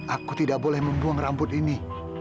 aku tidak boleh membuang rambut ini